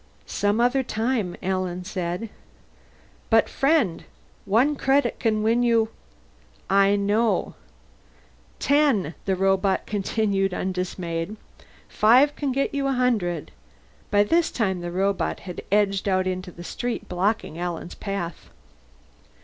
"Some other time," Alan said. "But, friend one credit can win you " "I know." " ten," the robot continued, undismayed. "Five can get you a hundred." By this time the robot had edged out into the street, blocking Alan's path.